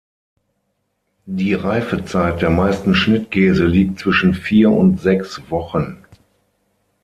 Die Reifezeit der meisten Schnittkäse liegt zwischen vier und sechs Wochen.